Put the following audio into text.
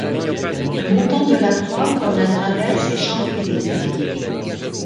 Le montant de la croix comme la traverse est chanfreiné.